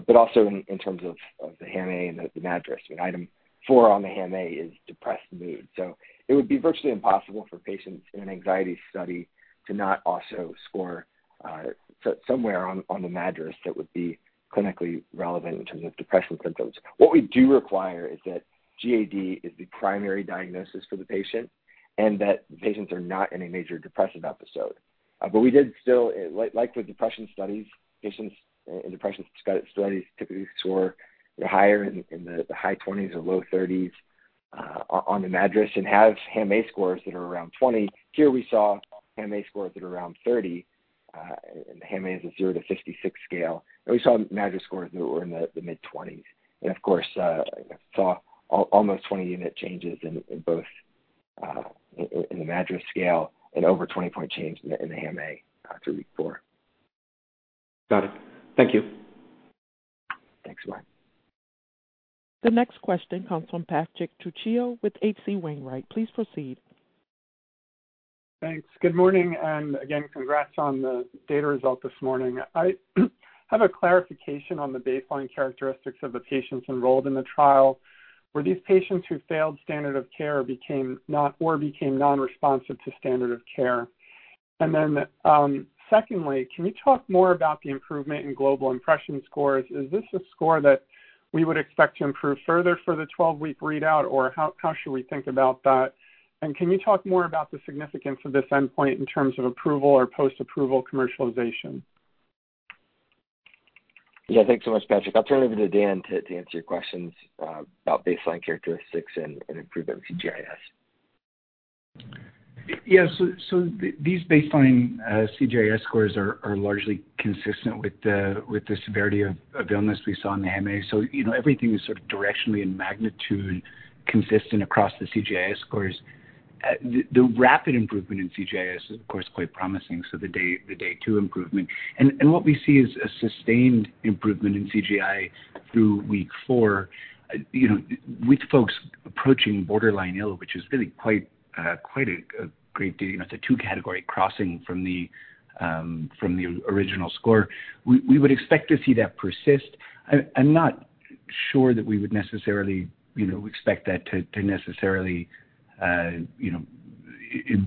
but also in terms of the HAM-A and the MADRS. Item four on the HAM-A is depressed mood. So it would be virtually impossible for patients in an anxiety study to not also score so somewhere on the MADRS that would be clinically relevant in terms of depression symptoms. What we do require is that GAD is the primary diagnosis for the patient and that the patients are not in a major depressive episode. But we did still, like, like with depression studies, patients in depression studies typically score higher in the high 20s or low 30s on the MADRS and have HAM-A scores that are around 20. Here we saw HAM-A scores that are around 30, and the HAM-A is a 0 to 56 scale, and we saw MADRS scores that were in the mid-20s. And of course, saw almost 20 unit changes in both, in the MADRS scale and over 20-point change in the HAM-A after week 4. Got it. Thank you. Thanks, Mark. The next question comes from Patrick Trucchio with H.C. Wainwright. Please proceed. Thanks. Good morning, and again, congrats on the data result this morning. I have a clarification on the baseline characteristics of the patients enrolled in the trial. Were these patients who failed standard of care became not or became non-responsive to standard of care? And then, secondly, can you talk more about the improvement in global impression scores? Is this a score that we would expect to improve further for the 12-week readout, or how, how should we think about that? And can you talk more about the significance of this endpoint in terms of approval or post-approval commercialization? Yeah. Thanks so much, Patrick. I'll turn it over to Dan to answer your questions about baseline characteristics and improvement CGI-S. Yeah, so these baseline CGI-S scores are largely consistent with the severity of illness we saw in the HAM-A. So, you know, everything is sort of directionally in magnitude, consistent across the CGI-S scores. The rapid improvement in CGI-S is, of course, quite promising, so the day 2 improvement. And what we see is a sustained improvement in CGI-S through week 4, you know, with folks approaching borderline ill, which is really quite a great deal. You know, it's a 2-category crossing from the original score. We would expect to see that persist. I'm not sure that we would necessarily, you know, expect that to necessarily, you know,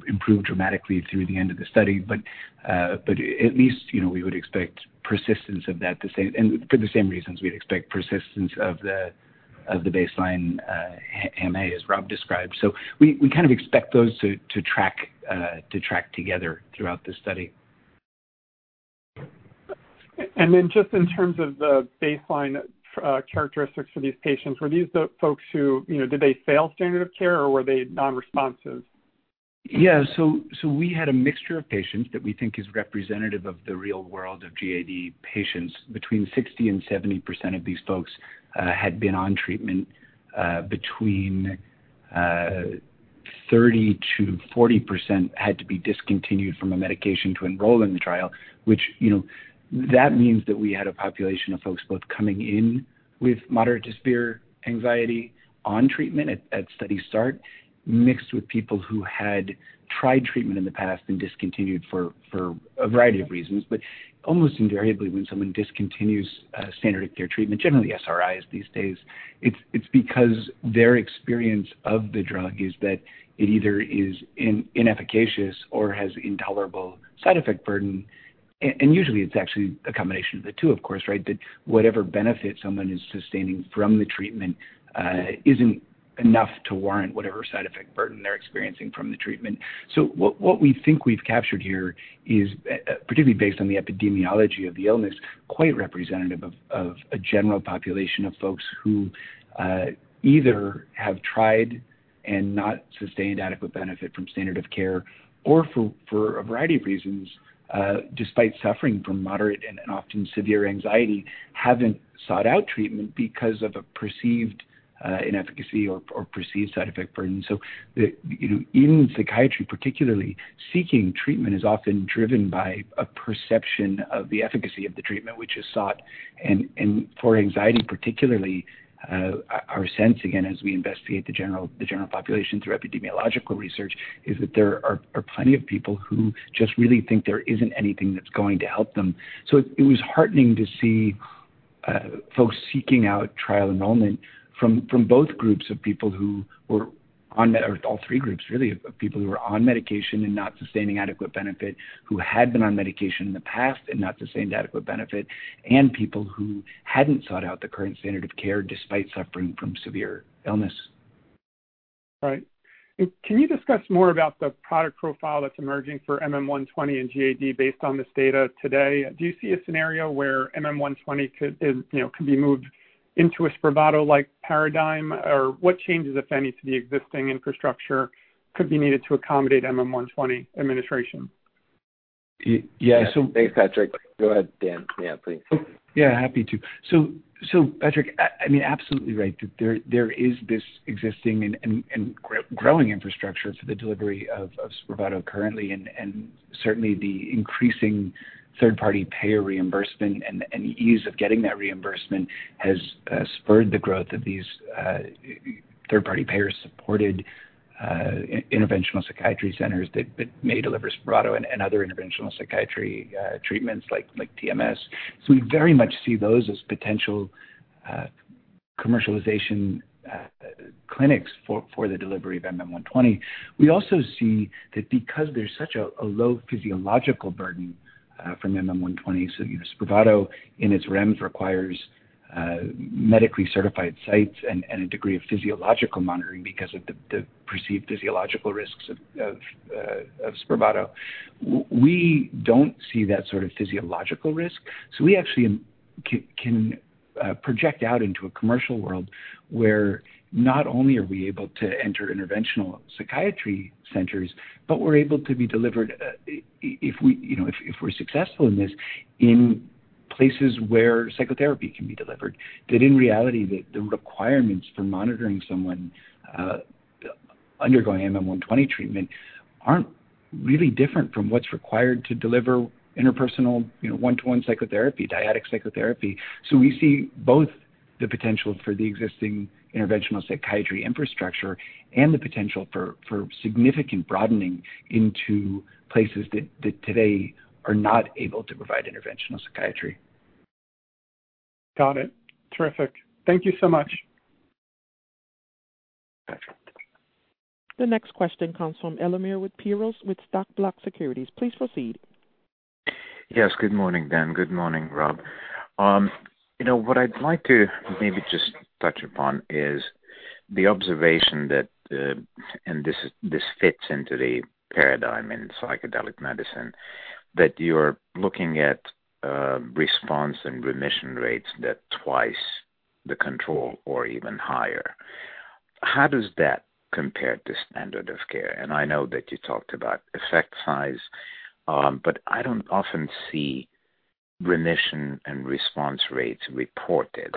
improve dramatically through the end of the study. But at least, you know, we would expect persistence of that, the same, and for the same reasons, we'd expect persistence of the baseline HAM-A, as Rob described. So we kind of expect those to track together throughout the study. Then just in terms of the baseline characteristics for these patients, were these the folks who, you know, did they fail standard of care, or were they non-responsive? Yeah. So we had a mixture of patients that we think is representative of the real world of GAD patients. Between 60% and 70% of these folks had been on treatment. Between 30%-40% had to be discontinued from a medication to enroll in the trial, which, you know, that means that we had a population of folks both coming in with moderate to severe anxiety on treatment at study start, mixed with people who had tried treatment in the past and discontinued for a variety of reasons. But almost invariably, when someone discontinues standard of care treatment, generally SRIs these days, it's because their experience of the drug is that it either is inefficacious or has intolerable side effect burden. And usually it's actually a combination of the two, of course, right? That whatever benefit someone is sustaining from the treatment isn't enough to warrant whatever side effect burden they're experiencing from the treatment. So what we think we've captured here is, particularly based on the epidemiology of the illness, quite representative of a general population of folks who either have tried and not sustained adequate benefit from standard of care, or for a variety of reasons, despite suffering from moderate and often severe anxiety, haven't sought out treatment because of a perceived inefficacy or perceived side effect burden. So you know, even in psychiatry, particularly, seeking treatment is often driven by a perception of the efficacy of the treatment which is sought. For anxiety, particularly, our sense, again, as we investigate the general population through epidemiological research, is that there are plenty of people who just really think there isn't anything that's going to help them. So it was heartening to see folks seeking out trial enrollment from both groups of people who were on medication and not sustaining adequate benefit, who had been on medication in the past and not sustained adequate benefit, or all three groups, really, and people who hadn't sought out the current standard of care despite suffering from severe illness. Right. Can you discuss more about the product profile that's emerging for MM-120 and GAD based on this data today? Do you see a scenario where MM-120 could, is, you know, could be moved into a Spravato-like paradigm? Or what changes, if any, to the existing infrastructure could be needed to accommodate MM120 administration? Yeah, so- Thanks, Patrick. Go ahead, Dan. Yeah, please. Yeah, happy to. So, Patrick, I mean, absolutely right. There is this existing and growing infrastructure for the delivery of Spravato currently, and certainly the increasing third-party payer reimbursement and the ease of getting that reimbursement has spurred the growth of these third-party payer-supported interventional psychiatry centers that may deliver Spravato and other interventional psychiatry treatments like TMS. So we very much see those as potential commercialization clinics for the delivery of MM120. We also see that because there's such a low physiological burden from MM120, so, you know, Spravato in its REMS requires medically certified sites and a degree of physiological monitoring because of the perceived physiological risks of Spravato. We don't see that sort of physiological risk, so we actually can project out into a commercial world where not only are we able to enter interventional psychiatry centers, but we're able to be delivered, if we, you know, if we're successful in this, in places where psychotherapy can be delivered. That in reality, the requirements for monitoring someone undergoing MM120 treatment aren't really different from what's required to deliver interpersonal, you know, one-to-one psychotherapy, dyadic psychotherapy. So we see both the potential for the existing interventional psychiatry infrastructure and the potential for significant broadening into places that today are not able to provide interventional psychiatry. Got it. Terrific. Thank you so much. Patrick. The next question comes from Elemer Piros, with Stock Block Securities. Please proceed. Yes, good morning, Dan. Good morning, Rob. You know, what I'd like to maybe just touch upon is the observation that this fits into the paradigm in psychedelic medicine that you're looking at response and remission rates that twice the control or even higher. How does that compare to standard of care? And I know that you talked about effect size, but I don't often see remission and response rates reported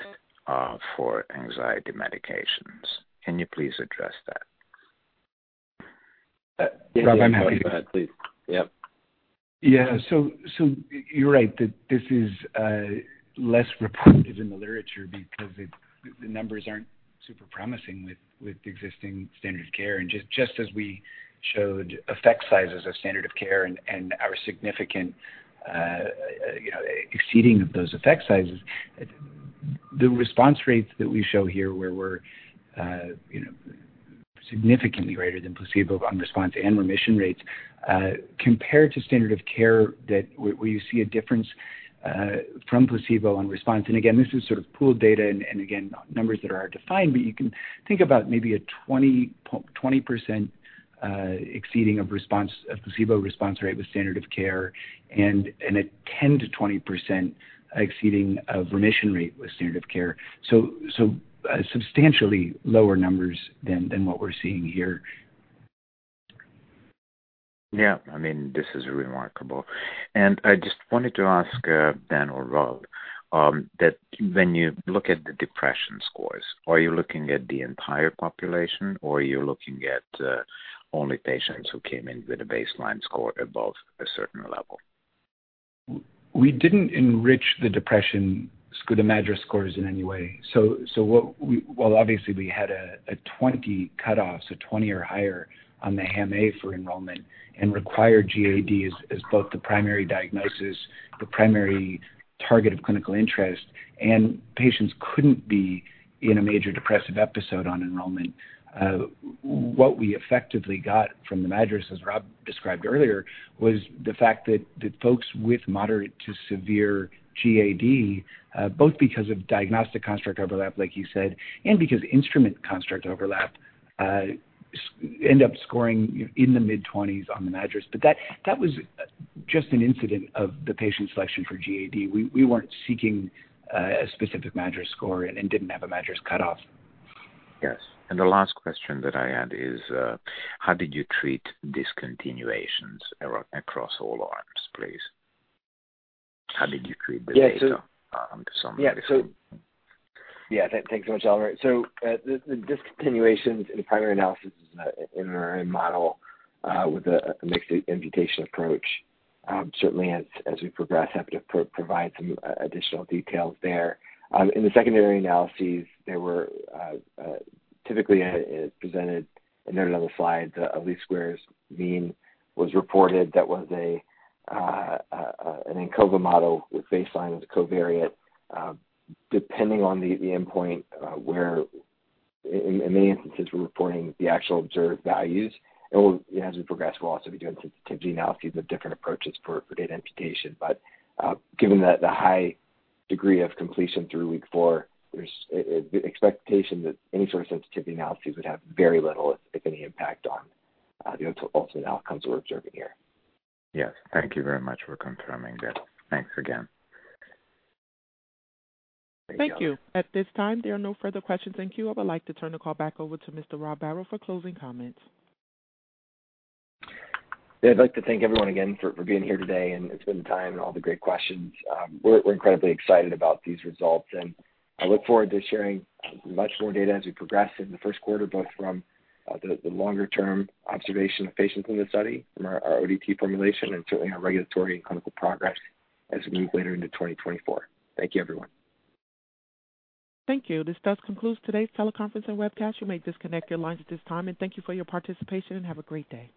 for anxiety medications. Can you please address that? Rob, I'm happy. Go ahead, please. Yep. Yeah. So you're right that this is less reported in the literature because the numbers aren't super promising with the existing standard of care. And just as we showed effect sizes of standard of care and our significant, you know, exceeding of those effect sizes, the response rates that we show here, where we're, you know, significantly greater than placebo on response and remission rates, compared to standard of care, that where you see a difference from placebo on response. And again, this is sort of pooled data and again, numbers that are defined, but you can think about maybe a 20% exceeding of response, of placebo response rate with standard of care and a 10%-20% exceeding of remission rate with standard of care. Substantially lower numbers than what we're seeing here. Yeah, I mean, this is remarkable. I just wanted to ask, Dan or Rob, that when you look at the depression scores, are you looking at the entire population, or you're looking at only patients who came in with a baseline score above a certain level? We didn't enrich the depression score, the MADRS scores in any way. So what we-- well, obviously, we had a 20 cutoff, so 20 or higher on the HAM-A for enrollment and required GAD as both the primary diagnosis, the primary-... target of clinical interest, and patients couldn't be in a major depressive episode on enrollment. What we effectively got from the MADRS, as Rob described earlier, was the fact that folks with moderate to severe GAD, both because of diagnostic construct overlap, like you said, and because instrument construct overlap, end up scoring in the mid-20s on the MADRS. But that was just an incident of the patient selection for GAD. We weren't seeking a specific MADRS score and didn't have a MADRS cutoff. Yes. And the last question that I had is, how did you treat discontinuations zero across all arms, please? How did you treat the data on some- Yeah, so. Yeah, thanks so much, Elemer So, the discontinuations in the primary analysis, in our model, with a mixed imputation approach, certainly as we progress, have to provide some additional details there. In the secondary analyses, there were typically it presented another slide. The least squares mean was reported. That was an ANCOVA model, with baseline as a covariate. Depending on the endpoint, where in many instances we're reporting the actual observed values. And we'll, as we progress, we'll also be doing sensitivity analyses of different approaches for data imputation. But, given that the high degree of completion through week four, there's the expectation that any sort of sensitivity analyses would have very little, if any, impact on the ultimate outcomes we're observing here. Yes. Thank you very much for confirming that. Thanks again. Thank you. At this time, there are no further questions in queue. I would like to turn the call back over to Mr. Rob Barrow for closing comments. I'd like to thank everyone again for being here today and spending the time and all the great questions. We're incredibly excited about these results, and I look forward to sharing much more data as we progress in the first quarter, both from the longer-term observation of patients in the study, from our ODT formulation and certainly our regulatory and clinical progress as we move later into 2024. Thank you, everyone. Thank you. This does conclude today's teleconference and webcast. You may disconnect your lines at this time, and thank you for your participation. Have a great day.